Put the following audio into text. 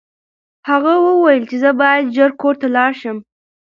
هغه وویل چې زه باید ژر کور ته لاړ شم.